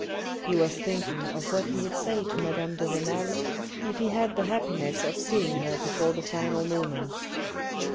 He was thinking of what he would say to madame de Renal if he had the happiness of seeing her before the final moment.